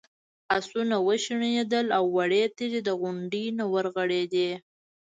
آسونه وشڼېدل او وړې تیږې د غونډۍ نه ورغړېدې.